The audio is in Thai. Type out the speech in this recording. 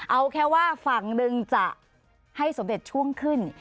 เอาแค่ว่าฝั่งหนึ่งจะให้สมเด็จช่วงขึ้น